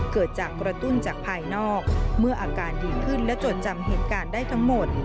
เกิดจากกระตุ้นจากภายนอกเมื่ออาการดีขึ้นและจดจำเหตุการณ์ได้ทั้งหมด